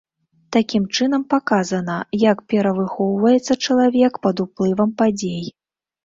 Такім чынам паказана, як перавыхоўваецца чалавек пад уплывам падзей.